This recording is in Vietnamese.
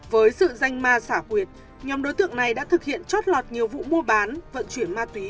với sự danh ma xả quyệt nhóm đối tượng này đã thực hiện trót lọt nhiều vụ mua bán vận chuyển ma túy